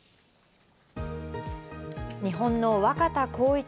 日本の若田光一